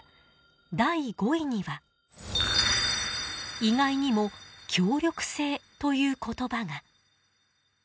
第５位には意外にも協力性という言葉が。